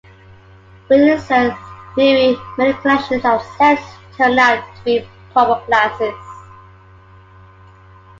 Within set theory, many collections of sets turn out to be proper classes.